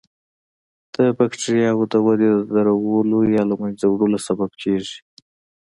د بکټریاوو د ودې د درولو یا له منځه وړلو سبب کیږي.